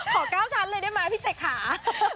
ขอก้าวชั้นเลยได้ไหมพี่เศกขา